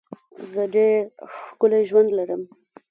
زه ډېر ښکلی ژوند لرم.